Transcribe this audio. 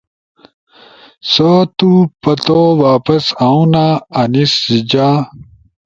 سو تو پتو واپس اونا! انیس جا۔ ا